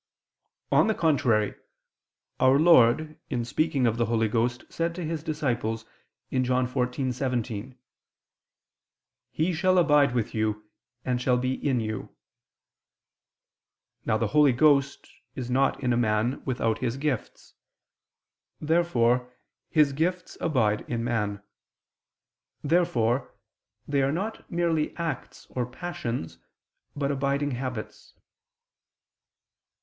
On the contrary, Our Lord in speaking of the Holy Ghost said to His disciples (John 14:17): "He shall abide with you, and shall be in you." Now the Holy Ghost is not in a man without His gifts. Therefore His gifts abide in man. Therefore they are not merely acts or passions but abiding habits.